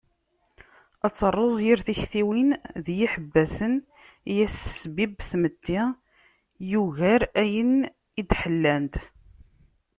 Ad terẓ yir tiktiwin d yiḥebbasen i as-tesbib tmetti yugar ayen i d-ḥellant.